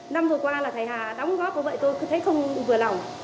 năm vừa qua là thầy hà đóng góp của vậy tôi thấy không vừa lỏng